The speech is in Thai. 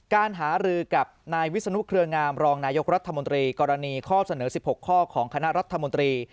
การหารือกับนายวิศนุเครืองามรองนายกรัฐมนตรีกรณีข้อเสนอ๑๖ข้อของคณะรัฐมนตรี